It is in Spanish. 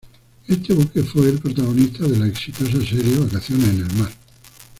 Este buque fue el protagonista de la exitosa serie Vacaciones en el Mar.